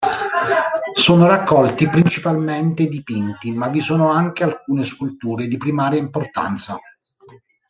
Sono raccolti principalmente dipinti, ma vi sono anche alcune sculture di primaria importanza.